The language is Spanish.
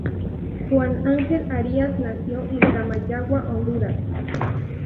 Juan Ángel Arias, nació en Comayagua, Honduras.